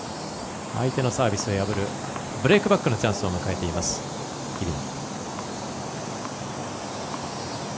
相手のサービスを破るブレークバックのチャンスを迎えている日比野。